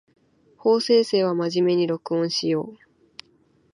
法政生は真面目に録音しよう